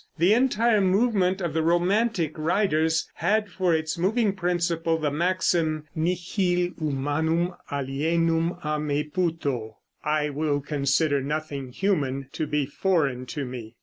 The entire movement of the romantic writers had for its moving principle the maxim, Nihil humanum alienum a me puto ("I will consider nothing human to be foreign to me").